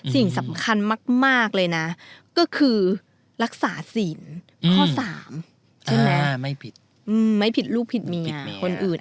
สิ่งสำคัญมากเลยนะก็คือรักษาศีลข้อ๓ใช่ไหมไม่ผิดไม่ผิดลูกผิดมีคนอื่น